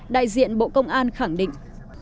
đại diện bộ công an khẳng định